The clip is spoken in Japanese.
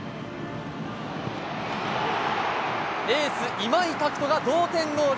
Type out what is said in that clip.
エース、今井拓人が同点ゴール。